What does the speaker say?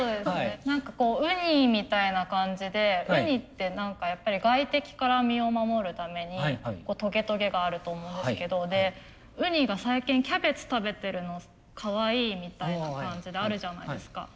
何かこうウニみたいな感じでウニって何かやっぱり外敵から身を守るためにトゲトゲがあると思うんですけどウニが最近キャベツ食べてるのをかわいいみたいな感じであるじゃないですか。